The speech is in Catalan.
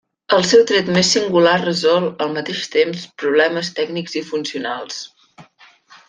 El seu tret més singular resol, al mateix temps, problemes tècnics i funcionals.